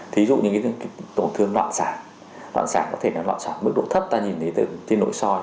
ví dụ những tổn thương loạn sản loạn sản có thể là loạn sản mức độ thấp ta nhìn thấy trên nội soi